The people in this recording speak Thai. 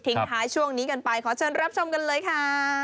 ท้ายช่วงนี้กันไปขอเชิญรับชมกันเลยค่ะ